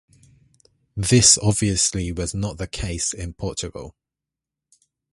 This obviously was not the case in Portugal.